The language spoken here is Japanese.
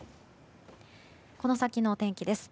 この先の天気です。